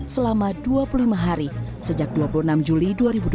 selama dua puluh lima hari sejak dua puluh enam juli dua ribu dua puluh